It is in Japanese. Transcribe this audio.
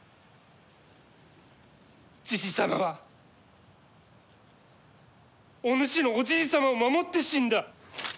じじ様はお主のおじい様を守って死んだ。